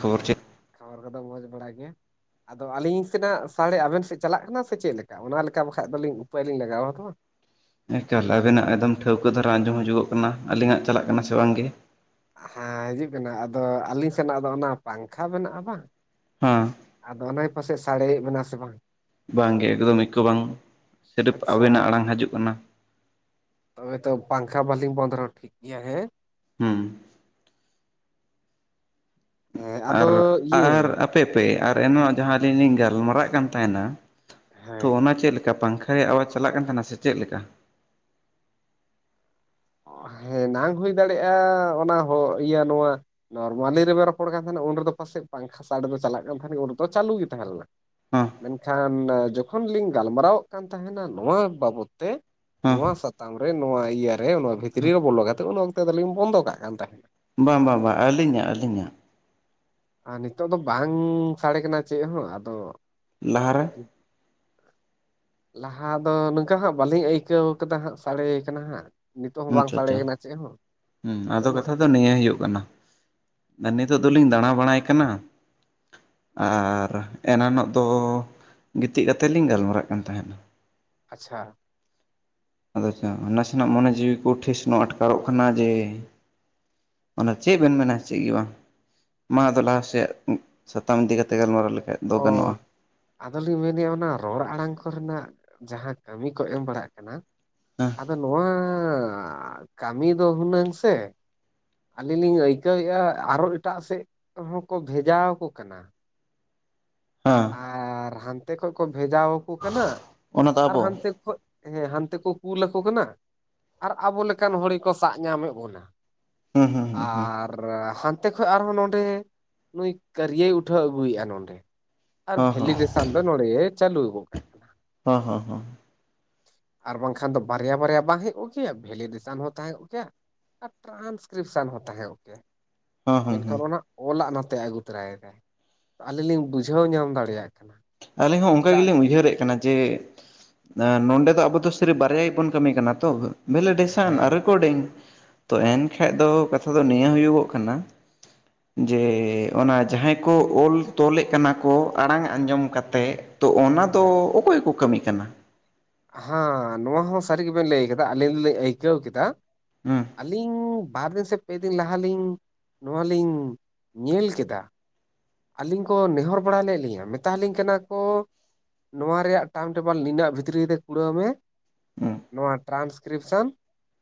ᱠᱷᱚᱵᱚᱨ ᱪᱮᱜ? ᱠᱷᱚᱵᱚᱨ ᱠᱚᱫᱚ ᱢᱚᱸᱡᱽ ᱵᱟᱲᱟ ᱜᱮ᱾ [unintelligible] ᱟᱫᱚ ᱟᱹᱞᱤᱧ ᱥᱮᱱᱟᱜ ᱥᱟᱲᱮ ᱟᱵᱮᱱ ᱥᱮᱫ ᱪᱟᱞᱟᱜ ᱠᱟᱱᱟ ᱥᱮ ᱪᱮᱜ ᱞᱮᱠᱟ, ᱚᱱᱟ ᱞᱮᱠᱟ ᱵᱟᱠᱷᱟᱡ ᱫᱚᱧᱤᱧ ᱩᱯᱟᱹᱭᱞᱤᱧ ᱞᱟᱜᱟᱣᱟ ᱛᱚ᱾ ᱮᱸ ᱪᱟᱞᱟ ᱠᱟᱱᱟ ᱮᱠᱫᱚᱢ ᱴᱷᱟᱹᱣᱠᱟᱹ ᱫᱷᱟᱨᱟ ᱟᱸᱡᱚᱢ ᱦᱤᱡᱚᱜ ᱠᱟᱱᱟ, ᱟᱹᱞᱤᱧᱟᱜ ᱪᱟᱞᱟᱜ ᱠᱟᱱᱟ ᱥᱮ ᱵᱟᱝᱜᱮ? ᱦᱮᱸ ᱦᱤᱡᱩᱜ ᱠᱟᱱᱟ, ᱟᱫᱚ ᱟᱹᱞᱤᱧ ᱥᱮᱱᱟᱜ ᱫᱚ ᱚᱱᱟ ᱯᱟᱝᱠᱷᱟ ᱢᱮᱱᱟᱜᱼᱟ ᱵᱟᱝ᱾ ᱦᱮᱸ ᱟᱫᱚ ᱚᱱᱟ ᱯᱟᱥᱮᱡ ᱥᱟᱲᱮᱭᱮᱫ ᱵᱮᱱᱟ ᱥᱮ ᱵᱟᱝ? ᱵᱟᱝᱜᱮ ᱮᱠᱫᱚᱢ ᱤᱠᱟᱹ‌ ᱵᱟᱝ ᱥᱮᱨᱯ ᱟᱪᱪᱷᱟ ᱟᱵᱮᱱᱟᱜ ᱟᱲᱟᱝ ᱦᱟᱹᱡᱩᱜ ᱠᱟᱱᱟ᱾ ᱛᱚᱵᱮ ᱛᱚ ᱯᱟᱝᱠᱷᱟ ᱵᱟᱹᱞᱤᱧ ᱵᱚᱱ ᱨᱮᱦᱚᱸ ᱴᱷᱤᱠ ᱜᱮᱭᱟ ᱦᱮᱸ? ᱦᱩᱸ ᱦᱮᱸ ᱟᱫᱚ ᱤᱭᱟᱹ ᱟᱨ-ᱟᱨ ᱟᱯ ᱛᱮ ᱯᱮ ᱟᱨ ᱮᱱᱦᱚ ᱡᱟᱦᱟᱸ ᱟᱹᱞᱤᱧ ᱞᱤᱧ ᱜᱟᱞᱢᱟᱨᱟᱜ ᱠᱟᱱ ᱛᱟᱦᱮᱸᱱᱟ ᱛᱳ ᱦᱮᱸ ᱚᱱᱟ ᱪᱮᱜ ᱞᱮᱠᱟ ᱯᱟᱝᱠᱷᱟ ᱨᱮᱭᱟᱜ ᱟᱣᱟᱡᱽ ᱪᱟᱞᱟᱜ ᱠᱟᱱ ᱛᱟᱦᱮᱸ ᱥᱮ ᱪᱮᱫ ᱞᱮᱠᱟ? ᱦᱮᱸ ᱱᱟᱝ ᱦᱩᱭ ᱫᱟᱲᱮᱭᱟᱜᱼᱟ ᱚᱱᱟ ᱦᱚᱸ ᱤᱭᱟᱹ ᱱᱚᱣᱟ ᱱᱚᱨᱢᱟᱞᱤ ᱨᱮᱵᱮ ᱨᱚᱯᱚᱲ ᱠᱟᱱ ᱛᱟᱦᱮᱸᱱᱟ ᱩᱱ ᱨᱮᱫᱚ ᱯᱟᱥᱮᱡ ᱯᱟᱝᱠᱷᱟ ᱥᱟᱲᱮ ᱫᱚ ᱪᱟᱞᱟᱜ ᱠᱟᱱ ᱛᱟᱦᱮᱸᱱᱟ, ᱩᱱᱸᱰᱮ ᱫᱚ ᱪᱟᱹᱞᱩ ᱜᱮ ᱛᱟᱦᱮᱸ ᱞᱮᱱᱟ᱾ ᱦᱮᱸ ᱢᱮᱱᱠᱷᱟᱱ ᱡᱚᱠᱷᱚᱱ ᱞᱤᱧ ᱜᱟᱞᱢᱟᱨᱟᱣᱜ ᱠᱟᱱ ᱛᱟᱦᱮᱸᱱᱟ ᱱᱚᱣᱟ ᱵᱟᱵᱚᱫ᱾ ᱛᱮ ᱦᱮᱸ ᱱᱚᱣᱟ ᱥᱟᱛᱟᱢ ᱨᱮ ᱱᱚᱣᱟ ᱤᱭᱟᱹᱨ ᱨᱮ ᱱᱚᱣᱟ ᱵᱷᱤᱛᱨᱤ ᱨᱮ ᱵᱚᱞᱚ ᱠᱟᱛᱮ ᱩᱱ ᱛᱚ ᱫᱚᱞᱤᱧ ᱵᱚᱱᱫᱚ ᱠᱟᱜ ᱠᱟᱱ ᱛᱟᱦᱮᱸᱱᱟ᱾ ᱵᱟᱝ ᱵᱟᱝ ᱵᱟᱝ ᱟᱹᱞᱤᱧᱟᱜ ᱟᱹᱞᱤᱧᱟᱜ᱾ ᱟᱨ ᱱᱤᱛᱚᱜ ᱫᱚ ᱵᱟᱝ ᱥᱟᱬᱮ ᱠᱟᱱᱟ ᱪᱮᱜ ᱦᱚᱸ ᱟᱫᱚ ᱞᱟᱦᱟ ᱨᱮ? ᱞᱟᱦᱟ ᱫᱚ ᱱᱚᱝᱠᱟ ᱦᱟᱸᱜ ᱵᱟᱹᱞᱤᱧ ᱟᱹᱭᱠᱟᱹᱣ ᱠᱟᱫᱟ ᱦᱟᱸᱜ ᱥᱟᱬᱮ ᱠᱟᱱᱟ ᱦᱟᱸᱜ᱾ ᱱᱤᱛᱚᱜ ᱦᱚᱸ ᱵᱟᱝ ᱟᱪᱪᱷᱟ ᱥᱟᱲᱮ ᱟᱪᱪᱷᱟ ᱠᱟᱱᱟ ᱪᱮᱜ ᱦᱚᱸ ᱦᱮᱸ ᱟᱫᱚ ᱱᱤᱛᱚᱜ ᱢᱟ᱾ ᱠᱟᱛᱷᱟ ᱱᱤᱭᱟᱹ ᱦᱩᱭᱩᱜ ᱠᱟᱱᱟ ᱱᱤᱛᱚᱜ ᱫᱚᱞᱤᱧ ᱫᱟᱬᱟ ᱵᱟᱲᱟᱭ ᱠᱟᱱᱟ᱾ ᱟᱪᱪᱷᱟ ᱟᱨ ᱮᱱᱟᱱᱚᱜ ᱫᱚ ᱜᱤᱛᱤᱡ ᱠᱟᱛᱮᱫ ᱞᱤᱧ ᱜᱟᱞᱢᱟᱨᱟᱜ ᱠᱟᱱ ᱛᱟᱦᱮᱸᱱᱟ᱾ ᱟᱪᱪᱷᱟ᱾ ᱟᱫᱚ [unintelligible] ᱱᱟᱥᱮᱱᱟᱜ ᱢᱚᱱᱮ ᱡᱤᱣᱤ ᱠᱚ ᱴᱷᱮᱥ ᱱᱚᱜ ᱟᱴᱠᱟᱨᱚᱜ ᱠᱟᱱᱟ ᱡᱮ ᱚᱱᱟ ᱪᱮᱜ ᱵᱮᱱ ᱢᱮᱱᱟ ᱪᱮᱜ ᱜᱮ ᱵᱟᱝ᱾ ᱢᱟ ᱟᱫᱚ ᱞᱟᱦᱟ ᱥᱮᱜ ᱥᱟᱛᱟᱢ ᱤᱫᱤ ᱠᱟᱛᱮ ᱜᱟᱞᱢᱟᱨᱟᱣ ᱞᱮᱠᱷᱟᱡ ᱫᱚ ᱜᱟᱱᱚᱜᱼᱟ᱾ ᱚ ᱟᱫᱚᱞᱤᱧ ᱢᱮᱱ ᱮᱭᱟ ᱚᱱᱟ ᱨᱚᱲ ᱟᱲᱟᱝ ᱠᱚᱨᱮᱱᱟᱜ ᱡᱟᱦᱟᱸ ᱠᱟᱹᱢᱤ ᱠᱚ ᱮᱢ ᱵᱟᱲᱟᱜ ᱠᱟᱱᱟ ᱦᱮᱸ ᱟᱫᱚ ᱱᱚᱣᱟ ᱠᱟᱹᱢᱤ ᱫᱚ ᱦᱩᱱᱟᱹᱝ ᱥᱮ ᱟᱹᱞᱤᱧ ᱞᱤᱧ ᱟᱹᱭᱠᱟᱹᱣ ᱮᱭᱟᱜ ᱟᱨᱚ ᱮᱴᱟᱜ ᱥᱮᱫ ᱦᱚᱸᱠᱚ ᱵᱷᱮᱡᱟ ᱠᱚ ᱠᱟᱱᱟ᱾ ᱦᱟᱸ ᱟᱨ ᱦᱟᱱᱛᱮ ᱠᱷᱚ ᱠᱚ ᱵᱷᱮᱡᱟᱣ ᱠᱚ ᱠᱟᱱᱟ ᱚᱱᱟ ᱫᱚ ᱟᱨ ᱟᱵᱚ ᱦᱟᱱᱛᱮ ᱠᱷᱚᱜ ᱦᱮᱸ ᱦᱟᱱᱛᱮ ᱠᱚ ᱠᱩᱞ ᱟᱠᱚ ᱠᱟᱱᱟ ᱟᱨ ᱟᱵᱚ ᱞᱮᱠᱟᱱ ᱦᱚᱲ ᱜᱮᱠᱚ ᱥᱟᱵ ᱧᱟᱢᱮᱜ ᱵᱚᱱᱟ᱾ ᱦᱩᱸ ᱦᱩᱸ ᱦᱩᱸ ᱟᱨ ᱟᱨ ᱦᱟᱱᱛᱮ ᱠᱷᱚᱡ ᱟᱨᱦᱚᱸ ᱱᱚᱰᱮ ᱱᱩᱭ ᱠᱟᱹᱨᱤᱭᱟᱹᱭ ᱩᱴᱷᱟᱹᱣ ᱟᱹᱜᱩᱭᱮᱭᱟᱜ ᱱᱚᱸᱰᱮ᱾ ᱟᱨ ᱦᱩᱸ ᱦᱚᱸ ᱵᱷᱮᱞᱤᱰᱮᱥᱚᱱ ᱫᱚ ᱱᱚᱸᱰᱮ ᱪᱟᱹᱞᱩ ᱟᱹᱜᱩ ᱟᱠᱟᱜ ᱠᱟᱱᱟ᱾ ᱦᱚᱸ ᱦᱚᱸ ᱦᱚᱸ ᱦᱚᱸ ᱟᱨ ᱵᱟᱝᱠᱷᱟᱱ ᱫᱚ ᱵᱟᱨᱭᱟ ᱵᱟᱨᱭᱟ ᱵᱟᱝ ᱦᱮᱡ ᱠᱚᱜ ᱠᱮᱭᱟ ᱵᱷᱮᱞᱤᱰᱮᱥᱟᱱ ᱦᱚᱸ ᱛᱟᱦᱮᱸ ᱠᱚᱜ ᱠᱮᱭᱟ᱾ ᱟᱨ ᱴᱨᱟᱱᱥᱠᱨᱤᱯᱥᱟᱱ ᱦᱚᱸ ᱛᱟᱦᱮᱸᱱ ᱜᱮᱭᱟ᱾ ᱦᱚᱸ ᱦᱚᱸ ᱦᱚᱸ ᱢᱮᱱᱠᱷᱟᱱ ᱚᱱᱟ ᱚᱞᱟᱜ ᱱᱚᱛᱮ ᱟᱹᱜᱩ ᱛᱚᱨᱟᱭ ᱢᱮ, ᱟᱹᱞᱤᱧ ᱞᱤᱧ ᱵᱩᱡᱷᱟᱹᱣ ᱧᱟᱢ- ᱫᱟᱲᱮᱭᱟᱜ ᱠᱟᱱᱟ᱾ ᱟᱹᱞᱤᱧ ᱦᱚᱸ ᱚᱱᱠᱟ ᱪᱮᱫᱟᱜ ᱜᱮᱞᱤᱧ ᱩᱭᱦᱟᱹᱨᱮᱫ ᱠᱟᱱᱟ᱾ ᱡᱮ ᱱᱚᱰᱮ ᱫᱚ ᱟᱵᱚ ᱫᱚ ᱥᱤᱨᱤᱯ ᱵᱟᱨᱭᱟ ᱜᱮᱵᱚᱱ ᱠᱟᱹᱢᱤ ᱠᱟᱱᱟ ᱛᱚ᱾ ᱵᱷᱮᱞᱮ ᱰᱷᱮᱥᱟᱱ ᱟᱨ ᱦᱮᱸ ᱨᱮᱠᱚᱰᱤᱝ ᱛᱳ ᱦᱮᱸ ᱮᱱᱠᱷᱟᱡ ᱫᱚ ᱠᱟᱛᱷᱟ ᱫᱚ ᱱᱤᱭᱟᱹ ᱦᱩᱭᱩᱜᱚᱜ ᱠᱟᱱᱟ ᱡᱮ ᱚᱱᱟ ᱡᱟᱦᱟᱸᱭ ᱠᱚ ᱚᱞ ᱛᱚᱞᱮᱫ ᱠᱟᱱᱟ ᱠᱚ ᱟᱲᱟᱝ ᱟᱸᱡᱚᱢ ᱠᱟᱛᱮᱫ ᱛᱚ ᱚᱱᱟ ᱫᱚ ᱦᱮᱸ ᱚᱠᱚᱭ ᱠᱚ ᱠᱟᱹᱢᱤ ᱠᱟᱱᱟ? ᱦᱟᱸ ᱱᱚᱣᱟ ᱦᱚᱸ ᱥᱟᱹᱨᱤ ᱜᱮᱵᱮᱱ ᱞᱟᱹᱭ ᱠᱟᱫᱟ ᱟᱹᱞᱤᱧ ᱫᱚᱞᱤᱧ ᱟᱹᱭᱠᱟᱹᱣ ᱠᱮᱫᱟ᱾ ᱦᱩᱸ ᱟᱹᱞᱤᱧ ᱵᱟᱨ ᱫᱤᱱ ᱥᱮ- ᱯᱮ ᱫᱤᱱ ᱞᱟᱦᱟᱞᱤᱧ ᱱᱚᱣᱟ ᱞᱤᱧ ᱧᱮᱞ ᱠᱮᱫᱟ᱾ ᱟᱹᱞᱤᱧ ᱠᱚ ᱱᱮᱦᱚᱨ ᱵᱟᱲᱟ ᱞᱮᱫ ᱞᱤᱧᱟᱹ ᱢᱮᱛᱟ ᱟᱞᱤᱧ ᱠᱟᱱᱟ ᱠᱚ ᱱᱚᱣᱟ ᱨᱮᱭᱟᱜ ᱴᱟᱢ ᱴᱮᱵᱮᱞ ᱱᱤᱱᱟᱹᱜ ᱵᱷᱤᱛᱨᱤ ᱛᱮ ᱠᱩᱲᱟᱹᱣ ᱢᱮ᱾ ᱦᱩᱸ ᱱᱚᱣᱟ ᱴᱨᱟᱱᱥᱠᱨᱤᱯᱥᱚᱱ᱾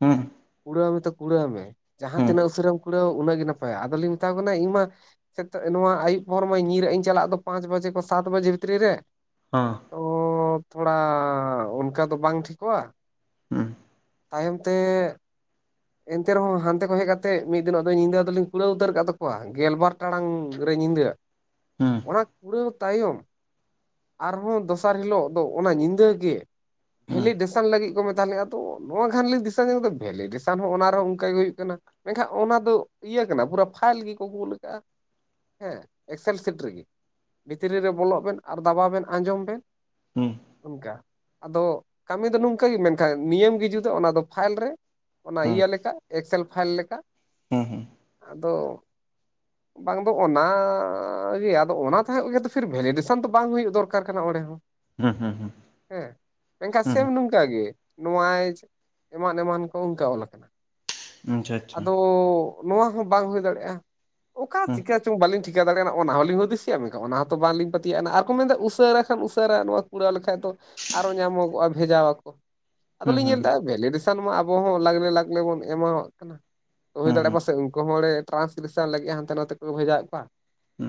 ᱦᱩᱸ ᱠᱩᱲᱟᱹᱣ ᱢᱮᱛᱚ ᱠᱩᱲᱟᱹᱣ ᱢᱮ᱾ ᱡᱟᱦᱟᱸ ᱦᱩᱸ ᱛᱤᱱᱟᱹᱜ ᱩᱥᱟᱹᱨᱟᱢ ᱠᱩᱲᱟᱹ ᱩᱱᱟᱹᱜ ᱜᱮ ᱱᱟᱯᱟᱭᱟ ᱟᱫᱚᱞᱤᱧ ᱢᱮᱛᱟᱢ ᱠᱟᱱᱟ ᱤᱧ ᱢᱟ ᱥᱮ ᱱᱚᱣᱟ ᱟᱹᱭᱩᱵ ᱦᱚᱨ ᱢᱟ ᱧᱤᱨᱟᱜ ᱤᱧ ᱪᱟᱞᱟᱜ ᱫᱚ ᱯᱟᱸᱪ ᱵᱟᱡᱮ ᱠᱷᱚᱱ ᱥᱟᱛ ᱵᱟᱡᱮ ᱵᱷᱤᱛᱨᱤ ᱨᱮ᱾ ᱚᱸ ᱚᱻ ᱛᱷᱚᱲᱟ ᱚᱱᱠᱟ ᱫᱚ ᱵᱟᱝ ᱴᱷᱤᱠᱚᱜ-ᱟ᱾ ᱦᱩᱸ ᱛᱟᱭᱚᱢ ᱛᱮ ᱮᱱᱛᱮ ᱨᱮᱦᱚᱸ ᱦᱟᱱᱛᱮ ᱠᱷᱚᱡ ᱦᱮᱡ ᱠᱟᱛᱮᱜ ᱢᱤᱫ ᱫᱤᱱᱚᱜ ᱫᱚ ᱧᱤᱫᱟᱹ ᱫᱚᱞᱤᱧ ᱠᱩᱲᱟᱹᱣ ᱩᱛᱟᱹᱨ ᱟᱠᱟᱫ ᱛᱟᱠᱚᱣᱟ ᱜᱮᱞᱵᱟᱨ ᱴᱟᱲᱟᱝ ᱨᱮ ᱧᱤᱫᱟᱹ᱾ ᱦᱩᱸ ᱚᱱᱟ ᱠᱩᱲᱟᱹᱣ ᱛᱟᱭᱚᱢ ᱟᱨᱦᱚᱸ ᱫᱚᱥᱟᱨ ᱦᱤᱞᱳᱜ ᱫᱚ ᱚᱱᱟ ᱧᱤᱫᱟᱹ ᱜᱮ ᱦᱩᱸ ᱵᱷᱮᱞᱤ ᱰᱮᱥᱚᱱ ᱞᱟᱹᱜᱤᱫ ᱠᱚ ᱢᱮᱛᱟ ᱞᱮᱜ-ᱟ, ᱛᱚ ᱱᱚᱣᱟ ᱠᱷᱟᱱᱞᱤ ᱫᱤᱥᱟᱹ ᱠᱮᱫᱟ ᱵᱷᱮᱞᱤ ᱰᱮᱥᱟᱱ ᱦᱚᱸ ᱚᱱᱟ ᱨᱮᱦᱚᱸ ᱚᱱᱠᱟ ᱜᱮ ᱦᱩᱭᱩᱜ ᱠᱟᱱᱟ᱾ ᱢᱮᱱᱠᱷᱟᱱ ᱚᱱᱟ ᱫᱚ ᱤᱭᱟᱹ ᱠᱟᱱᱟ ᱯᱩᱨᱟᱹ ᱯᱷᱟᱭᱤᱞ ᱜᱮᱠᱚ ᱠᱳᱞ ᱠᱟᱜ-ᱟ᱾ ᱦᱮᱸ, ᱮᱠᱥᱮᱞ ᱥᱤᱴᱨᱤ ᱵᱷᱤᱛᱨᱤ ᱨᱮ ᱵᱚᱞᱚᱜ ᱵᱤᱱ ᱟᱨ ᱫᱟᱵᱟᱣ ᱵᱮᱱ ᱟᱸᱡᱚᱢ ᱵᱮᱱ᱾ ᱦᱩᱸ ᱚᱱᱠᱟ ᱟᱫᱚ ᱠᱟᱹᱢᱤ ᱫᱚ ᱱᱚᱝᱠᱟ ᱜᱮ ᱢᱮᱱᱠᱷᱟᱱ ᱱᱤᱭᱟᱹᱢ ᱜᱮ ᱡᱩᱫᱟᱹ ᱚᱱᱟ ᱫᱚ ᱯᱷᱟᱭᱤᱞ ᱨᱮ᱾ ᱚᱱᱟ ᱦᱩᱸ ᱤᱭᱟᱹ ᱞᱮᱠᱟ ᱮᱠᱥᱮᱞ ᱯᱷᱟᱭᱤᱞ ᱞᱮᱠᱟ᱾ ᱦᱩᱸ ᱦᱩᱸ ᱟᱫᱚ ᱵᱟᱝ ᱫᱚ ᱚᱱᱟ ᱟᱸ ᱜᱮ ᱟᱫᱚ ᱚᱱᱟ ᱛᱟᱦᱮᱸᱜ ᱞᱮ ᱯᱷᱤᱨ ᱵᱷᱮᱞᱤᱰᱮᱥᱚᱱ ᱫᱚ ᱵᱟᱝ ᱦᱩᱭᱩᱜ ᱫᱚᱨᱠᱟᱨ ᱠᱟᱱᱟ ᱚᱸᱰᱮ ᱦᱚᱸ ᱦᱩᱸ ᱦᱩᱸ ᱦᱩᱸ ᱦᱮᱸ ᱢᱮᱱᱠᱷᱟᱱ ᱦᱩᱸ ᱥᱮᱢ ᱱᱚᱝᱠᱟ ᱜᱮ ᱱᱚᱣᱟ ᱮᱢᱟᱱ ᱮᱢᱟᱱ ᱠᱚ ᱚᱱᱠᱟ ᱚᱞ ᱟᱠᱟᱱᱟ᱾ ᱦᱩᱸ ᱟᱪᱪᱷᱟ ᱟᱪᱪᱷᱟ ᱟᱫᱚ ᱱᱚᱣᱟ ᱦᱚᱸ ᱵᱟᱝ ᱦᱩᱭ ᱫᱟᱲᱮᱭᱟᱜ-ᱟ᱾ ᱚᱠᱟ ᱦᱩᱸ ᱪᱤᱠᱟᱹ ᱪᱚᱝ ᱵᱟᱹᱞᱤᱧ ᱴᱷᱤ- ᱪᱤᱠᱟᱹ ᱫᱟᱲᱮᱭᱟᱜ ᱱᱟ ᱚᱱᱟ ᱦᱚᱸᱞᱤᱧ ᱦᱩᱫᱤᱥᱮᱜ-ᱟ᱾ ᱢᱮᱱᱠᱷᱟᱱ ᱚᱱᱟ ᱦᱚᱸᱛᱚ ᱵᱟᱝᱞᱤᱧ ᱯᱟᱹᱛᱭᱟᱹᱜ-ᱟ ᱟᱱᱟ ᱟᱨ ᱠᱚ ᱢᱮᱱᱫᱟ ᱩᱥᱟᱹᱨᱟ ᱠᱷᱟᱱ ᱩᱥᱟᱹᱨᱟ ᱱᱚᱣᱟ ᱠᱚ ᱠᱩᱨᱟᱹᱣ ᱞᱮᱠᱷᱟᱡ ᱫᱚ ᱟᱨᱚ ᱧᱟᱢᱚᱜᱚᱜ-ᱟ ᱵᱷᱮᱡᱟᱣ ᱟᱠᱚ᱾ ᱦᱩᱸ ᱟᱫᱚᱞᱤᱧ ᱦᱩᱸ ᱧᱮᱞ ᱮᱫᱟ ᱵᱷᱮᱞᱤᱰᱮᱥᱟᱱ ᱢᱟ ᱟᱵᱚ ᱦᱚᱸ ᱞᱟᱜᱽᱞᱮ ᱞᱟᱜᱽᱞᱮ ᱵᱚᱱ ᱮᱢᱟᱣᱟᱜ ᱠᱟᱱᱟ᱾ ᱦᱩᱭ ᱦᱩᱸ ᱫᱟᱲᱮᱭᱟᱜ-ᱟ ᱦᱩᱸ ᱯᱟᱥᱮᱫ ᱩᱱᱠᱩ ᱦᱚᱸ ᱚᱸᱲᱮ ᱴᱨᱟᱱᱥᱞᱮᱥᱚᱱ ᱞᱟᱹᱜᱤᱫ ᱦᱟᱱᱛᱮ ᱱᱟᱛᱮ ᱠᱚ ᱵᱷᱮᱡᱟᱭᱮᱫ ᱠᱚᱣᱟ᱾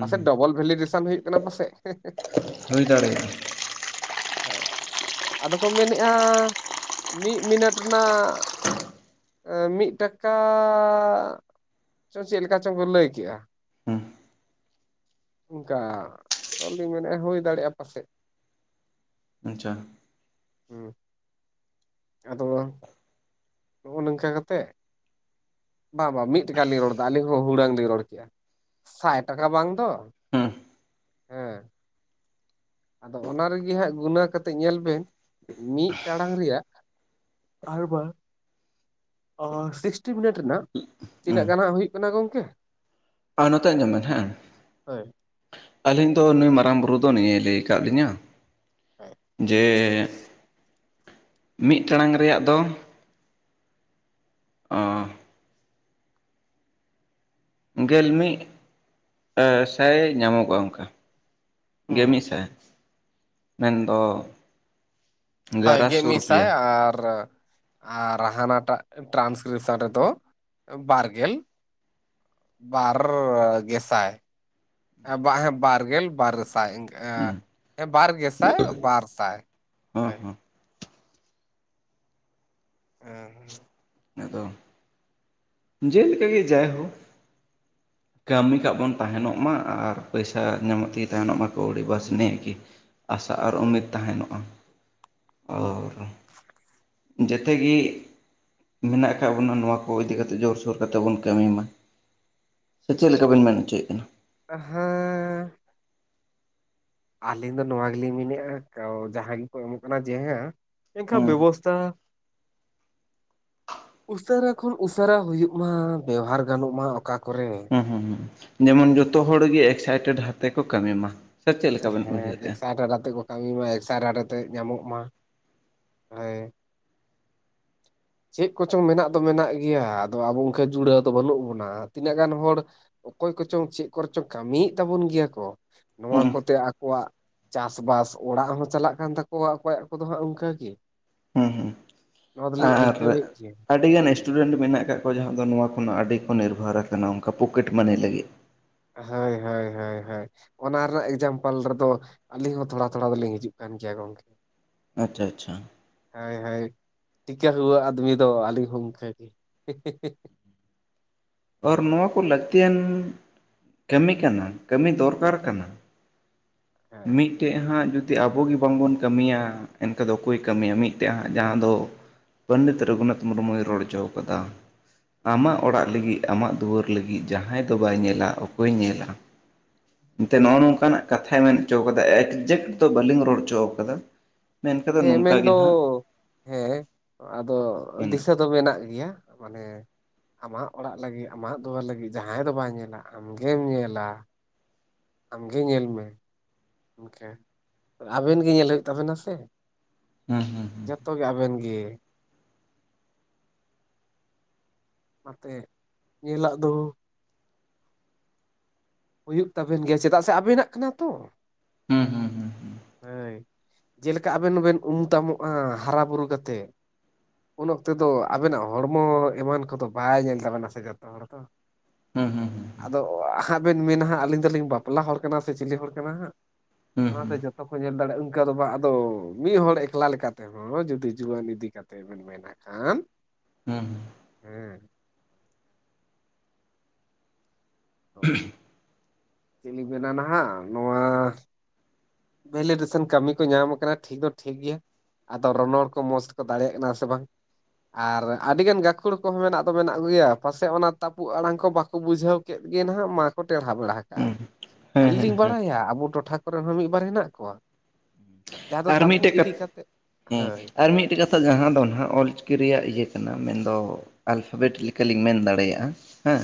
ᱯᱟᱥᱮᱡ ᱰᱚᱵᱚᱞ ᱵᱷᱮᱞᱤ ᱰᱮᱥᱟᱱ ᱦᱩᱭᱩᱜ ᱠᱟᱱᱟ ᱯᱟᱥᱮᱡ᱾ ᱦᱩᱭ ᱫᱟᱲᱮᱭᱟᱜ-ᱟ᱾ ᱦᱮᱸ ᱟᱫᱚ ᱠᱚ ᱢᱮᱱᱮᱫ-ᱟ, ᱢᱤᱫ ᱢᱤᱱᱮᱴ ᱨᱮᱱᱟᱜ ᱢᱤᱫ ᱴᱟᱠᱟ ᱪᱚ ᱪᱮᱫ ᱞᱮᱠᱟ ᱪᱚᱝ ᱠᱚ ᱞᱟᱹᱭ ᱠᱮᱜ-ᱟ᱾ ᱦᱩᱸ ᱚᱱᱠᱟ ᱟᱫᱚᱞᱤᱧ ᱢᱮᱱᱮᱜ-ᱟ ᱦᱳᱭ ᱫᱟᱲᱮᱜᱼᱟ ᱯᱟᱥᱮᱜ ᱾ ᱟᱸᱪᱟ, ᱦᱩᱸ ᱟᱫᱚ, ᱱᱚᱜᱼᱚ ᱱᱤᱝᱠᱟᱹ ᱠᱟᱛᱮᱜ᱾ ᱵᱟᱝ ᱵᱟᱝ ᱢᱤᱫ ᱴᱮᱠᱟ ᱞᱤᱧ ᱨᱚᱲᱫᱟ ᱟᱹᱞᱤᱧ ᱦᱚᱸ ᱦᱩᱲᱟᱹᱝ ᱞᱤᱧ ᱨᱚᱲ ᱠᱮᱜ-ᱟ ᱥᱟᱭ ᱴᱟᱠᱟ ᱵᱟᱝ ᱫᱚ᱾ ᱦᱩᱸ ᱦᱮᱸ ᱟᱫᱚ ᱚᱱᱟ ᱨᱤᱜᱤ ᱦᱟᱸᱜ ᱜᱩᱱᱟᱹᱣ ᱠᱟᱛᱮᱜ ᱧᱮᱞ ᱵᱮᱱ ᱢᱤᱫ ᱴᱟᱲᱟᱝ ᱨᱮᱭᱟᱜ, ᱟᱨᱵᱟ, ᱚ ᱥᱤᱠᱥᱴᱤ ᱢᱤᱱᱤᱴ ᱨᱮᱱᱟᱜ ᱦᱩᱸ ᱛᱤᱱᱟᱹᱜ ᱜᱟᱱ ᱦᱟᱸᱜ ᱦᱩᱭᱩᱜ ᱠᱟᱱᱟ ᱜᱚᱝᱠᱮ? ᱟᱨ ᱱᱚᱛᱮ ᱟᱸᱡᱚᱢ ᱵᱮᱱ ᱦᱮᱸ, ᱦᱳᱭ ᱟᱹᱞᱤᱧ ᱫᱚ ᱱᱩᱭ ᱢᱟᱨᱟᱝ ᱵᱩᱨᱩ ᱫᱚ ᱱᱤᱭᱟᱹ ᱞᱟᱹᱭ ᱠᱟᱜ ᱞᱤᱧᱟᱹ, ᱡᱮ ᱢᱤᱜ ᱴᱟᱲᱟᱝ ᱨᱮᱭᱟᱜ ᱫᱚ, ᱜᱮᱞ ᱢᱤᱜ ᱥᱟᱭ ᱧᱟᱢᱚᱜ-ᱟ ᱚᱱᱠᱟ᱾ ᱜᱮ ᱦᱩᱸ ᱢᱤᱫᱥᱟᱭ ᱢᱮᱱᱫᱚ, ᱦᱳᱭ ᱜᱟᱨᱟ ᱜᱮ ᱥᱚ ᱢᱤᱜᱥᱟᱭ ᱨᱩᱯᱤᱭᱟ ᱟᱨ, ᱟᱨ ᱦᱟᱱᱟᱴᱟᱜ ᱴᱨᱟᱱᱠᱨᱤᱯᱥᱟᱱ ᱨᱮᱫᱚ ᱵᱟᱨᱜᱮᱞ᱾ ᱵᱟᱨ ᱜᱮᱥᱟᱭ ᱵᱟᱝ ᱦᱮᱸ ᱵᱟᱨᱜᱮᱞ ᱵᱟᱨ ᱥᱟᱭ ᱤᱱᱠᱟᱹ ᱮᱻ, ᱦᱩᱸ ᱦᱮᱸ ᱵᱟᱨ ᱜᱮᱥᱟᱭ ᱵᱟᱨ ᱥᱟᱭ ᱦᱚᱸ ᱦᱟᱭ᱾ ᱦᱚᱸ ᱮ ᱦᱮᱸ, ᱟᱫᱚ ᱡᱮᱞᱮᱠᱟ ᱜᱮ ᱡᱟᱭᱦᱳ᱾ ᱠᱟᱹᱢᱤ ᱠᱟᱜ ᱵᱚᱱ ᱛᱟᱦᱮᱱᱚᱜ ᱢᱟ ᱟᱨ ᱯᱚᱭᱥᱟ ᱧᱟᱢᱚᱜ ᱛᱮᱜᱮ ᱛᱟᱦᱮᱱᱚᱜ ᱢᱟᱠᱚ ᱠᱟᱹᱣᱰᱤ ᱵᱟᱥ ᱱᱤᱭᱠᱤ᱾ ᱟᱥᱟ ᱟᱨ ᱩᱢᱤᱫᱽ ᱛᱟᱦᱮᱱᱚᱜ-ᱟ ᱚᱨ, ᱡᱮᱛᱮ ᱜᱤ᱾ ᱢᱮᱱᱟᱜ ᱟᱠᱟᱫ ᱵᱚᱱᱟ ᱱᱚᱣᱟ ᱠᱚ ᱤᱫᱤ ᱠᱟᱛᱮᱫ ᱡᱳᱨᱥᱳᱨᱛᱮ ᱵᱚᱱ ᱠᱟᱹᱢᱤ ᱢᱟ᱾ ᱥᱮ ᱪᱮᱜ ᱞᱮᱠᱟᱵᱮᱱ ᱢᱮᱱ ᱚᱪᱚᱭᱮᱜ ᱠᱟᱱᱟ? ᱟᱸᱦ ᱦᱮᱸᱻ, ᱟᱹᱞᱤᱧ ᱫᱚ ᱱᱚᱣᱟ ᱜᱮᱞᱤᱧ ᱢᱤᱱᱮᱜ-ᱟ ᱠᱟᱣ ᱡᱟᱦᱟᱸ ᱜᱮᱠᱚ ᱮᱢᱚᱜ ᱠᱟᱱᱟ ᱡᱮᱦᱟᱸ ᱮᱱᱠᱷᱟᱱ ᱦᱩᱸ ᱵᱮᱵᱚᱥᱛᱟ, ᱩᱥᱟᱹᱨᱟ ᱠᱷᱚᱱ ᱩᱥᱟᱹᱨᱟ ᱦᱩᱭᱩᱜ ᱢᱟ ᱵᱮᱣᱦᱟᱨ ᱜᱟᱱᱚᱜ ᱢᱟ ᱚᱠᱟ ᱠᱚᱨᱮ᱾ ᱦᱩᱸ ᱦᱩᱸ ᱦᱩᱸ ᱡᱮᱢᱚᱱ ᱡᱚᱛᱚ ᱦᱚᱲ ᱜᱮ ᱮᱠᱥᱟᱭᱴᱮᱰ ᱦᱟᱛᱮ ᱠᱚ ᱠᱟᱹᱢᱤ ᱢᱟ᱾ ᱥᱮ ᱪᱮᱫ ᱞᱮᱠᱟ ᱵᱮᱱ ᱦᱮᱸ ᱩᱭᱦᱟᱹᱨᱮᱫᱼᱟ ᱮᱠᱥᱟᱭᱴᱮᱰ ᱛᱮ ᱠᱚ ᱠᱟᱹᱢᱤ ᱢᱟ ᱮᱠᱥᱟ-ᱮᱰ ᱟᱛᱮ ᱧᱟᱢᱚᱜ ᱢᱟ ᱟᱭᱮ᱾ ᱪᱮᱜ ᱠᱚᱪᱚᱝ ᱢᱮᱱᱟᱜ ᱫᱚ ᱢᱮᱱᱟᱜ ᱜᱮᱭᱟ ᱟᱫᱚ ᱟᱵᱚ ᱩᱱᱠᱟᱹ ᱡᱩᱲᱟᱹᱣ ᱫᱚ ᱵᱟᱹᱱᱩᱜ ᱵᱚᱱᱟ ᱛᱤᱱᱟᱹᱜ ᱜᱟᱱ ᱦᱚᱲ, ᱚᱠᱚᱭ ᱠᱚᱪᱚᱝ ᱪᱤᱜ ᱠᱚᱨᱮᱪᱚᱝ ᱠᱟᱹᱢᱤᱭᱮᱫ ᱛᱟᱵᱚᱱ ᱜᱮᱭᱟ ᱠᱚ ᱱᱚᱣᱟ ᱦᱩᱸ ᱠᱚᱛᱮ ᱟᱠᱚᱣᱟᱜ, ᱪᱟᱥᱵᱟᱥ ᱚᱲᱟᱜ ᱦᱚᱸ ᱪᱟᱞᱟᱜ ᱠᱟᱱ ᱛᱟᱠᱚᱣᱟ ᱚᱠᱚᱭᱟᱜ ᱠᱚᱫᱚ ᱦᱟᱸᱜ ᱚᱱᱠᱟᱜ ᱜᱮ᱾ ᱦᱩᱸ ᱦᱩᱸ, ᱱᱚᱣᱟ ᱫᱚᱞᱤᱧ ᱟᱹᱭᱠᱟᱹᱣᱮᱫ ᱜᱮᱭᱟ [unintelligible] ᱟᱹᱰᱤ ᱜᱟᱱ ᱥᱴᱩᱰᱮᱱᱴ ᱢᱮᱱᱟᱜ ᱟᱠᱟᱫ ᱠᱚᱣᱟ ᱡᱟᱦᱟᱸ ᱫᱚ ᱱᱚᱣᱟ ᱠᱷᱚᱱᱟᱜ ᱟᱹᱰᱤ ᱠᱚ ᱱᱤᱨᱵᱷᱟᱨ ᱠᱟᱱᱟ ᱚᱱᱠᱟ ᱯᱚᱠᱮᱴ ᱢᱟᱱᱤ ᱞᱟᱹᱜᱤᱫ᱾ ᱦᱟᱹᱭ ᱦᱟᱹᱭ ᱦᱟᱹᱭ ᱦᱟᱹᱭ ᱾ ᱚᱱᱟ ᱨᱮᱱᱟᱜ ᱮᱠᱡᱟᱢᱯᱟᱞ ᱨᱮᱫᱚ ᱟᱹᱞᱤᱧ ᱦᱚᱸ ᱛᱷᱚᱲᱟ ᱛᱷᱚᱲᱟ ᱫᱚᱞᱤᱧ ᱦᱤᱡᱩᱜ ᱠᱟᱱ ᱜᱮᱭᱟ ᱜᱚᱝᱠᱮ᱾ ᱟᱪᱪᱷᱟ ᱟᱪᱪᱷᱟ᱾ ᱦᱟᱹᱭ ᱦᱟᱹᱭ ᱴᱤᱠᱟᱹ ᱦᱩᱣᱟᱹ ᱟᱫᱢᱤ ᱫᱚ ᱟᱹᱞᱤᱧ ᱦᱚᱸ ᱚᱱᱠᱟ ᱜᱮ ᱾ ᱟᱨ ᱱᱚᱣᱟ ᱠᱚ ᱞᱟᱹᱠᱛᱤᱭᱟᱱ, ᱠᱟᱹᱢᱤ ᱠᱟᱱᱟ ᱠᱟᱹᱢᱤ ᱫᱚᱨᱠᱟᱨ ᱠᱟᱱᱟ ᱢᱤᱫ, ᱴᱮᱡ ᱦᱟᱸᱜ ᱡᱩᱫᱤ ᱟᱵᱚᱮ ᱵᱟᱝᱵᱚᱱ ᱠᱟᱹᱢᱤᱭᱟ ᱮᱱᱠᱟ ᱫᱚ ᱚᱠᱚᱭ ᱠᱟᱹᱢᱤᱭᱟ ᱢᱤᱫᱴᱮᱡ ᱦᱟᱸᱜ ᱡᱟᱦᱟᱸ ᱫᱚ, ᱯᱟᱱᱰᱤᱛ ᱨᱚᱜᱷᱩᱱᱟᱛᱷ ᱢᱩᱨᱢᱩᱭ ᱨᱚᱲ ᱦᱚᱪᱚ ᱠᱟᱫᱟ ᱟᱢᱟᱜ ᱚᱲᱟᱜ ᱞᱟᱹᱜᱤᱜ, ᱟᱢᱟᱜ ᱫᱩᱣᱟᱹᱨ ᱞᱟᱹᱜᱤᱜ ᱡᱟᱦᱟᱸᱭ ᱫᱚ ᱵᱟᱭ ᱧᱮᱞᱟ ᱚᱠᱚᱭ ᱧᱮᱞᱟ? ᱮᱱᱛᱮ ᱱᱚᱜᱼᱚ ᱱᱚᱝᱠᱟᱱᱟᱜ ᱠᱟᱛᱷᱟᱭ ᱢᱮᱱ ᱚᱪᱚᱣ ᱠᱟᱫᱟ ᱮᱠᱡᱮᱠᱴ ᱫᱚ ᱵᱟᱹᱞᱤᱧ ᱨᱚᱲ ᱚᱪᱚᱣ ᱠᱟᱫᱟ᱾ ᱦᱮᱸ ᱢᱮᱱᱫᱚ ᱦᱮᱸ ᱟᱫᱚ ᱢᱮᱱᱟᱜᱼᱟ᱾ ᱫᱤᱥᱟᱹ ᱫᱚ ᱢᱮᱱᱟᱜ ᱜᱮᱭᱟ ᱢᱟᱱᱮ ᱟᱢᱟᱜ ᱚᱲᱟᱜ ᱞᱟᱹᱜᱤᱜ ᱟᱢᱟᱜ ᱫᱩᱣᱟᱹᱨ ᱞᱟᱹᱜᱤᱜ ᱡᱟᱦᱟᱸᱭ ᱫᱚ ᱵᱟᱭ ᱧᱮᱞᱟ, ᱟᱢ ᱜᱮᱢ ᱧᱮᱞᱟ᱾ ᱟᱢ ᱜᱮ ᱧᱮᱞ ᱢᱮ ᱤᱱᱠᱟᱹ ᱟᱵᱮᱱ ᱜᱮ ᱧᱮᱞ ᱦᱩᱭᱩᱜ ᱛᱟᱵᱮᱱᱟ ᱥᱮ᱾ ᱦᱩᱸ ᱦᱩᱸ ᱦᱩᱸ ᱡᱚᱛᱚ ᱟᱵᱮᱱ ᱜᱮ᱾ ᱚᱱᱟᱛᱮ ᱧᱮᱞᱟᱜ ᱫᱚ ᱦᱩᱭᱩᱜ ᱛᱟᱵᱮᱱ ᱜᱮᱭᱟ ᱪᱮᱫᱟᱜ ᱥᱮ ᱟᱵᱮᱱᱟᱜ ᱠᱟᱱᱟ ᱛᱚ᱾ ᱦᱩᱸ ᱦᱩᱸ ᱦᱩᱸ ᱦᱩᱸ ᱦᱳᱭ ᱡᱮᱞᱮᱠᱟ ᱟᱵᱮᱱ ᱦᱚᱸᱵᱮᱱ ᱩᱢ ᱛᱟᱢᱚᱜᱼᱟ ᱦᱟᱨᱟ ᱵᱩᱨᱩ ᱠᱟᱛᱮᱜ᱾ ᱩᱱ ᱚᱠᱛᱚ ᱫᱚ ᱟᱵᱮᱱᱟᱜ ᱦᱚᱲᱢᱚ ᱮᱢᱟᱱ ᱠᱚᱫᱚ ᱵᱟᱭ ᱧᱮᱞ ᱛᱟᱵᱮᱱᱟ ᱥᱮ ᱡᱚᱛᱚ ᱦᱚᱲ ᱫᱚ᱾ ᱦᱩᱸ ᱦᱩᱸ ᱦᱩᱸ ᱟᱫᱚ ᱦᱟᱸᱜ ᱵᱮᱱ ᱢᱮᱱᱟ ᱦᱟᱸᱜ ᱟᱹᱞᱤᱧ ᱫᱚᱞᱤᱧ ᱵᱟᱯᱞᱟ ᱦᱚᱲ ᱠᱟᱱᱟ ᱥᱮ ᱪᱤᱞᱤ ᱦᱚᱲ ᱠᱟᱱᱟ ᱦᱟᱸᱜ᱾ ᱦᱩᱸ ᱚᱱᱟᱛᱮ ᱡᱚᱛᱚ ᱠᱚ ᱧᱮᱞ ᱫᱟᱲᱮᱜᱼᱟ ᱤᱝᱠᱟ ᱫᱚ ᱵᱟ ᱟᱫᱚ ᱢᱤᱜ ᱦᱚᱲ ᱮᱠᱞᱟ ᱞᱮᱠᱟᱛᱮ᱾ ᱦᱚᱸ ᱡᱩᱫᱤ ᱡᱩᱣᱟᱹᱱ ᱤᱫᱤ ᱠᱟᱛᱮ ᱵᱮᱱ ᱢᱮᱱᱟ ᱠᱷᱟᱱ ᱦᱩᱸ ᱦᱩᱸ ᱦᱮᱸ ᱪᱮᱜ ᱞᱤᱧ ᱢᱮᱱᱟ ᱱᱟᱦᱟᱜ ᱱᱚᱣᱟ ᱵᱷᱮᱞᱤᱰᱮᱥᱮᱱ ᱠᱟᱹᱢᱤ ᱠᱚ ᱧᱟᱢ ᱠᱟᱱᱟ ᱴᱷᱤᱠ ᱫᱚ ᱴᱷᱤᱠ ᱜᱮᱭᱟ᱾ ᱟᱫᱚ ᱨᱚᱱᱚᱲ ᱠᱚ ᱢᱚᱥᱛᱮᱠᱚ ᱫᱟᱲᱮᱭᱟᱜ ᱠᱟᱱᱟ ᱥᱮ ᱵᱟᱝ? ᱟᱨ ᱟᱹᱰᱤᱜᱟᱱ ᱜᱟᱹᱠᱷᱩᱲ ᱠᱚᱦᱚᱸ ᱢᱮᱱᱟᱜ ᱫᱚ ᱢᱮᱱᱟᱜ ᱠᱚᱜᱮᱭᱟ ᱯᱟᱥᱮᱜ ᱚᱱᱟ ᱛᱟᱹᱯᱩᱜ ᱟᱲᱟᱝ ᱠᱚ ᱵᱟᱠᱚ ᱵᱩᱡᱷᱟᱹᱣ᱾ ᱠᱮᱫ ᱜᱮ ᱱᱟᱦᱟᱜ ᱢᱟᱠᱚ ᱠᱚ ᱴᱮᱲᱦᱟ ᱵᱮᱲᱦᱟ ᱠᱟᱜᱼᱟ ᱦᱩᱸ ᱦᱮᱸ ᱟᱹᱞᱤᱧ ᱦᱮᱸ ᱞᱤᱧ ᱦᱮᱸ ᱵᱟᱲᱟᱭᱟ ᱟᱵᱚ ᱴᱚᱴᱷᱟ ᱠᱚᱨᱮ ᱦᱚᱸ ᱢᱤᱜᱵᱟᱨ ᱦᱮᱱᱟᱜ ᱠᱚᱣᱟ᱾ ᱡᱟᱦᱟᱸ ᱫᱚ ᱟᱨ ᱛᱟᱹᱯᱩᱜ ᱤᱫᱤ ᱠᱟᱛᱮᱜ ᱦᱟᱹᱭ᱾ ᱴᱮᱜ ᱠᱟᱛᱷᱟ ᱡᱟᱦᱟᱸ ᱫᱚ ᱱᱟᱦᱟᱜ ᱚᱞᱪᱤᱠᱤ ᱨᱮᱭᱟᱜ ᱤᱭᱟᱹ ᱠᱟᱱᱟ ᱢᱮᱱᱫᱚ ᱟᱞᱯᱷᱟᱵᱮᱴ ᱞᱮᱠᱟᱞᱤᱧ ᱢᱮᱱ ᱫᱟᱲᱮᱭᱟᱜᱼᱟ ᱦᱮᱸ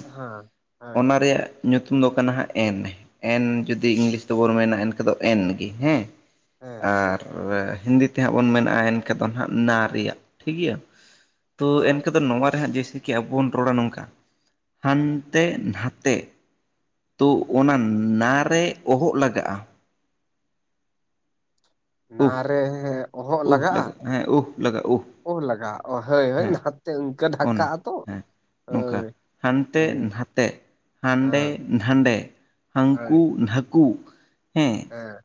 ᱚᱱᱟ ᱨᱮᱭᱟᱜ ᱧᱩᱛᱩᱢ ᱫᱚ ᱠᱟᱱᱟ ᱦᱟᱸᱜ ᱮᱱ ᱮᱱ ᱡᱩᱫᱤ ᱤᱝᱞᱤᱥ ᱛᱮᱵᱚᱱ ᱢᱮᱱᱟ ᱮᱱᱠᱷᱟᱱ ᱫᱚ ᱮᱱ ᱜᱤ ᱦᱮᱸ᱾ ᱦᱮᱸ ᱟᱨ ᱦᱤᱱᱫᱤ ᱛᱮᱦᱟᱸᱜ ᱵᱚᱱ ᱢᱮᱱᱟ ᱮᱱᱠᱷᱟᱱ ᱫᱚ ᱦᱟᱸᱜ ᱱᱟ ᱨᱮᱭᱟᱜ ᱴᱷᱤᱠ ᱜᱮᱭᱟ᱾ ᱛᱚ ᱦᱳᱭ ᱮᱱᱠᱟ ᱫᱚ ᱱᱚᱣᱟ ᱨᱮ ᱦᱟᱸᱜ ᱡᱮᱥᱮ ᱠᱮ ᱟᱵᱚ ᱵᱚᱱ ᱨᱚᱲᱟ ᱱᱚᱝᱠᱟ ᱦᱟᱱᱛᱮ ᱱᱟᱛᱮ ᱛᱚ ᱦᱩᱸ ᱚᱱᱟ ᱱᱟ ᱨᱮ ᱚᱦᱚᱜ ᱞᱟᱜᱟᱜᱼᱟ᱾ ᱩᱦ ᱱᱟᱨᱮ ᱚᱦᱚᱜ ᱩᱦ ᱞᱟᱜᱟᱜᱼᱟ? ᱦᱮᱸ ᱩᱦ ᱞᱟᱜᱟᱜᱼᱟ ᱩᱦ ᱚ ᱞᱟᱜᱟᱜ ᱦᱟᱹᱭ ᱦᱟᱹᱭ ᱦᱮᱸ ᱱᱟᱛᱮ ᱤᱝᱠᱟᱹ ᱰᱷᱟᱠᱟ ᱚᱱᱟ ᱟᱛᱚ᱾ ᱦᱮᱸ ᱱᱚᱝᱠᱟ ᱦᱟᱱᱛᱮ ᱱᱟᱛᱮ᱾ ᱦᱟᱸᱰᱮ ᱦᱮᱸ ᱱᱟᱸᱰᱮ ᱦᱟᱝᱠᱩ ᱦᱳᱭ ᱱᱷᱟᱠᱩ᱾ ᱦᱮᱸ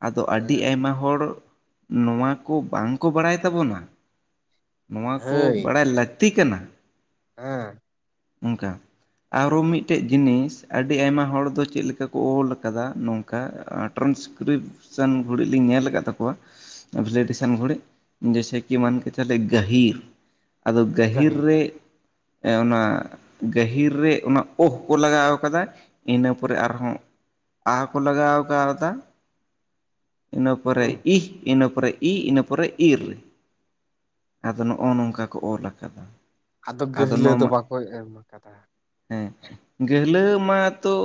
ᱟᱫᱚ ᱟᱹᱰᱤ ᱟᱭᱢᱟ ᱦᱚᱲ ᱱᱚᱣᱟ ᱠᱚ ᱵᱟᱝ ᱠᱚ ᱵᱟᱲᱟᱭ ᱛᱟᱵᱚᱱᱟ᱾ ᱱᱚᱣᱟ ᱠᱚ ᱦᱳᱭ ᱵᱟᱲᱟᱭ ᱞᱟᱹᱠᱛᱤ ᱠᱟᱱᱟ᱾ ᱦᱮᱸ ᱚᱝᱠᱟ ᱟᱨᱚ ᱢᱤᱫᱴᱮᱱ ᱡᱤᱱᱤᱥ ᱟᱹᱰᱤ ᱟᱭᱢᱟ ᱦᱚᱲ ᱫᱚ ᱪᱮᱜ ᱞᱮᱠᱟ ᱠᱚ ᱚᱞ ᱠᱟᱫᱟ ᱱᱚᱝᱠᱟ ᱴᱨᱟᱱᱥᱠᱨᱤᱯ ᱥᱟᱱ ᱜᱷᱩᱲᱤᱜ ᱞᱤᱧ ᱧᱮᱞ ᱠᱟᱫ ᱛᱟᱠᱩᱣᱟ᱾ ᱵᱷᱤᱞᱮᱴᱤᱥᱮᱱ ᱜᱷᱩᱲᱤᱜ ᱡᱮᱥᱮ ᱠᱤ ᱢᱟᱱ ᱠᱮ ᱪᱟᱞᱮ ᱜᱟᱹᱦᱤᱨ ᱟᱫᱚ ᱜᱟᱹᱦᱤᱨ ᱨᱮ ᱮᱸ ᱚᱱᱟ ᱜᱟᱹᱦᱤᱨ ᱨᱮ ᱚᱱᱟ ᱚᱦ ᱠᱚ ᱞᱟᱜᱟᱣ ᱠᱟᱫᱟ ᱤᱱᱟᱹ ᱯᱚᱨᱮ ᱟᱨᱦᱚᱸ ᱟ ᱦᱚᱠᱚ ᱞᱟᱜᱟᱣ ᱠᱟᱣᱫᱟ᱾ ᱤᱱᱟᱹ ᱯᱚᱨᱮ ᱦᱩᱸ ᱤᱦ ᱤᱱᱟᱹ ᱯᱚᱨᱮ ᱤ ᱤᱱᱟᱹ ᱯᱚᱨᱮ ᱤᱨ ᱟᱫᱚ ᱱᱚᱜᱼᱚ ᱱᱚᱝᱠᱟ ᱠᱚ ᱚᱞ ᱟᱠᱟᱫᱟ᱾ ᱟᱫᱚ ᱜᱟᱹᱦᱞᱟᱹ ᱫᱚ ᱵᱟᱠᱚ ᱮᱢ ᱠᱟᱫᱟ ᱦᱮᱸ ᱜᱟᱹᱦᱞᱟᱹ ᱢᱟᱛᱚ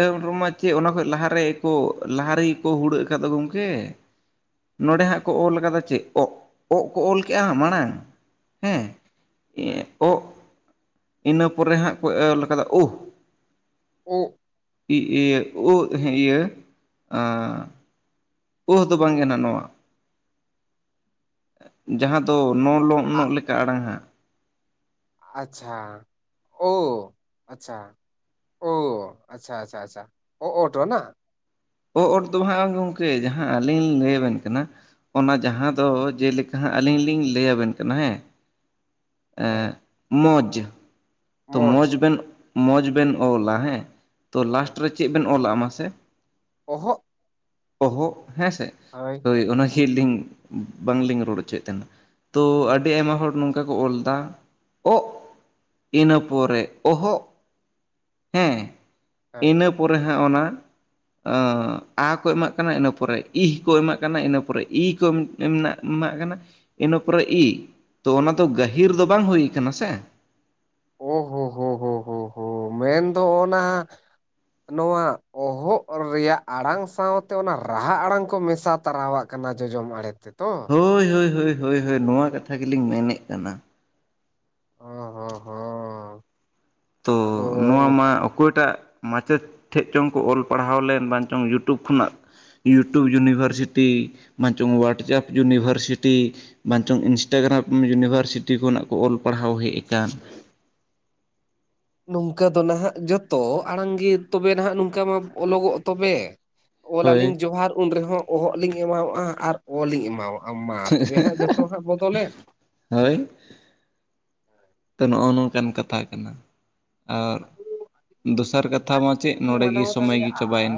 ᱮᱦᱚᱵ ᱨᱮᱢᱟ ᱪᱮᱫ ᱚᱱᱟ ᱠᱷᱚᱡ ᱞᱟᱦᱟ ᱨᱮᱜᱮ ᱠᱚ ᱞᱟᱦᱟ ᱨᱮᱜᱮᱠᱚ ᱦᱩᱲᱟᱹᱜ ᱠᱟᱫ ᱫᱚ ᱜᱚᱝᱠᱮ ᱱᱚᱰᱮ ᱦᱟᱸᱜ ᱠᱚ ᱚᱞ ᱟᱠᱟᱫᱟ ᱪᱮᱫ ᱚᱜ ᱚᱜ ᱠᱚ ᱚᱞ ᱠᱮᱜᱼᱟ ᱢᱟᱲᱟᱝ ᱦᱮᱸ ᱦᱳᱭ ᱦᱳᱭ ᱚᱜ ᱤᱱᱟᱹ ᱯᱚᱨᱮ ᱦᱟᱸᱜ ᱠᱚ ᱚᱞ ᱟᱠᱟᱫᱟ ᱠᱟᱫᱟ ᱩᱦ ᱳᱦ, [inaudible] ᱤᱭᱟᱹ ᱳᱦ ᱫᱚ ᱵᱟᱝ ᱠᱟᱱᱟ ᱱᱚᱣᱟ ᱡᱟᱦᱟᱸ ᱛᱚ ᱱᱚᱞᱚ ᱱᱟᱹᱜ ᱟᱜ ᱞᱮᱠᱟ ᱟᱲᱟᱝ ᱦᱟᱸᱜ ᱟᱪᱪᱷᱟ ᱳ ᱟᱪᱪᱷᱟ᱾ ᱚ ᱟᱪᱪᱷᱟ ᱟᱪᱪᱷᱟ ᱟᱪᱪᱷᱟ ᱚ ᱚᱴ ᱚᱱᱟ? ᱚ ᱚᱴ ᱫᱚ ᱵᱟᱝ ᱜᱚᱝᱠᱮ ᱡᱟᱦᱟᱸ ᱟᱹᱞᱤᱧ ᱞᱤᱧ ᱞᱟᱹᱭ ᱟᱵᱮᱱ ᱠᱟᱱᱟ᱾ ᱚᱱᱟ ᱡᱟᱦᱟᱸ ᱫᱚ ᱡᱮᱞᱮᱠᱟ ᱦᱟᱸᱜ ᱟᱹᱞᱤᱧ ᱞᱤᱧ ᱞᱟᱹᱭ ᱟᱵᱮᱱ ᱠᱟᱱᱟ ᱦᱮᱸ᱾ ᱦᱮᱸ ᱢᱚᱡᱽ ᱛᱚ ᱢᱚᱡᱽ ᱢᱚᱸᱡᱽ ᱵᱮᱱ ᱢᱚᱸᱡᱽ ᱵᱮᱱ ᱚᱞᱟ ᱦᱮᱸ ᱛᱚ ᱦᱳᱭ ᱞᱟᱥᱴ ᱨᱮ ᱪᱮᱫ ᱵᱮᱱ ᱚᱞ ᱢᱟᱥᱮ? ᱚᱦᱚᱜ᱾ ᱚᱦᱚᱜ ᱦᱮᱸ ᱥᱮ᱾ ᱦᱳᱭ᱾ ᱦᱳᱭ ᱚᱱᱟ ᱠᱟᱹᱪᱞᱤᱧ ᱵᱟᱝᱞᱤᱧ ᱨᱚᱲ ᱦᱚᱪᱚᱭᱮᱫ ᱛᱟᱦᱮᱱᱟ ᱛᱚ ᱟᱹᱰᱤ ᱟᱭᱢᱟ ᱦᱚᱲ ᱱᱚᱝᱠᱟ ᱠᱚ ᱚᱞ ᱮᱫᱟ ᱚᱜ ᱤᱱᱟᱹ ᱯᱚᱨᱮ ᱚᱦᱚᱜ ᱦᱮᱸ ᱦᱳᱭ ᱤᱱᱟᱹ ᱯᱚᱨᱮ ᱦᱟᱸᱜ ᱚᱱᱟ ᱟ ᱠᱚ ᱮᱢᱟᱜ ᱠᱟᱱᱟ ᱤᱱᱟᱹ ᱯᱚᱨᱮ ᱦ ᱠᱚ ᱮᱢᱟᱜ ᱠᱟᱱᱟ ᱤᱱᱟᱹ ᱯᱚᱨᱮ ᱤ ᱠᱚ ᱮᱢᱟᱜ ᱠᱟᱱᱟ ᱤᱱᱟᱹ ᱯᱚᱨᱮ ᱤ ᱛᱚ ᱚᱱᱟ ᱫᱚ ᱜᱟᱹᱦᱤᱨ ᱫᱚ ᱵᱟᱝ ᱦᱩᱭ ᱟᱠᱟᱱᱟ ᱥᱮ? ᱚᱦᱳ ᱦᱳ ᱦᱳ ᱦᱳ ᱦᱳ ᱢᱮᱱᱫᱚ ᱚᱱᱟ ᱱᱚᱣᱟ ᱚᱦᱚᱜ ᱨᱮᱭᱟᱜ ᱟᱲᱟᱝ ᱥᱟᱶᱛᱮ ᱚᱱᱟ ᱨᱟᱦᱟ ᱟᱲᱟᱝ ᱠᱚ ᱢᱮᱥᱟ ᱛᱟᱨᱟᱣᱟᱜ ᱠᱟᱱᱟ ᱡᱚᱡᱚᱢ ᱟᱲᱮ ᱛᱮᱛᱚ? ᱦᱳᱭ ᱦᱳᱭ ᱦᱳᱭ ᱦᱳᱭ ᱱᱚᱣᱟ ᱠᱟᱛᱷᱟ ᱜᱮᱞᱤᱧ ᱢᱮᱱᱮᱫ ᱠᱟᱱᱟ ᱾ ᱚᱸ ᱦᱚ ᱦᱚ᱾ ᱛᱚ ᱱᱚᱣᱟ ᱢᱟ ᱚᱠᱚᱭᱴᱟᱜ ᱢᱟᱪᱮᱫ ᱴᱷᱮᱡ ᱪᱚᱝ ᱠᱚ ᱚᱞ ᱯᱟᱲᱦᱟᱣ ᱞᱮᱱ ᱵᱟᱝ ᱪᱚᱝ ᱤᱭᱩᱴᱩᱵᱽ ᱠᱷᱚᱱᱟᱜ ᱤᱭᱩᱴᱩᱵᱽ ᱤᱭᱩᱱᱤᱵᱷᱟᱨᱥᱤᱴᱤ ᱢᱟᱝ ᱪᱚᱝ ᱚᱣᱟᱴᱡᱟᱯ ᱤᱭᱩᱱᱤᱵᱷᱟᱨᱥᱤᱴᱤ ᱵᱟᱝᱪᱚᱝ ᱤᱱᱥᱴᱟᱜᱨᱟᱢ ᱤᱭᱩᱱᱤᱵᱷᱟᱨᱥᱤᱴᱤ ᱠᱷᱚᱱᱟᱜ ᱠᱚ ᱚᱞ ᱯᱟᱲᱦᱟᱣ ᱦᱮᱡ ᱟᱠᱟᱱ ᱾ ᱱᱚᱝᱠᱟ ᱫᱚ ᱱᱟᱦᱟᱜ ᱡᱚᱛᱚ ᱟᱲᱟᱝ ᱜᱮ ᱛᱚᱵᱮ ᱱᱟᱦᱟᱜ ᱱᱚᱝᱠᱟ ᱢᱟ ᱚᱞᱚᱜᱚᱜ ᱛᱚᱵᱮ ᱦᱳᱭ ᱚᱞᱟᱞᱤᱧ ᱡᱚᱦᱟᱨ ᱩᱱᱨᱮᱦᱚᱸ ᱚᱦᱚᱜ ᱞᱤᱧ ᱮᱢᱟᱣᱟᱜ ᱟᱨ ᱚ ᱞᱤᱧ ᱮᱢᱟᱣᱟᱜᱼ- ᱟ ᱢᱟ ᱛᱚᱵᱮ ᱦᱟᱸᱜ ᱡᱚᱛᱚ ᱦᱟᱸᱜ ᱵᱚᱫᱚᱞᱮᱱ ᱦᱳᱭᱻ ᱛᱚ ᱱᱚᱜᱼᱚ ᱱᱚᱝᱠᱟᱱ ᱠᱟᱛᱷᱟ ᱠᱟᱱᱟ᱾ ᱟᱨ ᱟᱫᱚ ᱫᱚᱥᱟᱨ ᱠᱟᱛᱷᱟ ᱱᱚᱣᱟ ᱢᱟ ᱪᱮᱫ ᱜᱤᱧ ᱱᱚᱰᱮ ᱜᱮ ᱢᱟᱱᱟᱣ ᱥᱚᱢᱚᱭ ᱜᱮ ᱪᱟᱵᱟᱭᱮᱱᱟ ᱫᱟᱲᱮᱭᱟᱜᱼᱟ